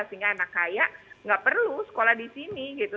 sehingga anak kaya nggak perlu sekolah di sini gitu